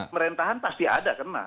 pemerintahan pasti ada kena